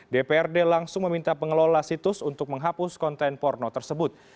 dprd langsung meminta pengelola situs untuk menghapus konten porno tersebut